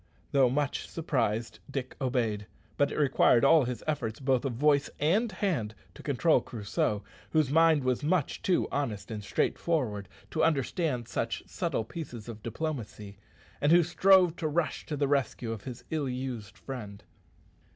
Though much surprised, Dick obeyed, but it required all his efforts, both of voice and hand, to control Crusoe, whose mind was much too honest and straightforward to understand such subtle pieces of diplomacy, and who strove to rush to the rescue of his ill used friend.